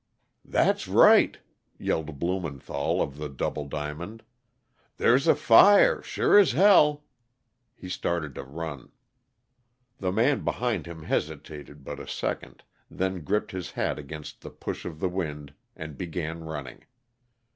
"That's right," yelled Blumenthall, of the Double Diamond. "There's a fire, sure as hell!" He started to run. The man behind him hesitated but a second, then gripped his hat against the push of the wind, and began running.